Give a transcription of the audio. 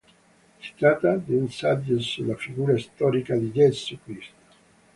Si tratta di un saggio sulla figura storica di Gesù Cristo.